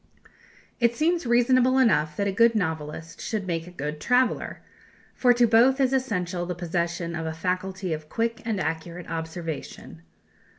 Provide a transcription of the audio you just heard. It seems reasonable enough that a good novelist should make a good traveller; for to both is essential the possession of a faculty of quick and accurate observation.